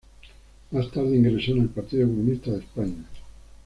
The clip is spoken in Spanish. Más tarde ingresó en el Partido Comunista de España.